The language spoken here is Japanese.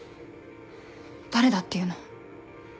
誰だっていうの？